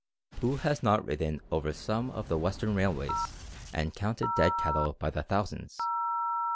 Who has not ridden over some of the Western railways and counted dead cattle by the thousands?